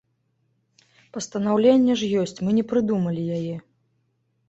Пастанаўленне ж ёсць, мы не прыдумалі яе.